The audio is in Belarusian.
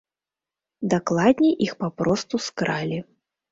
Дакладней, іх папросту скралі.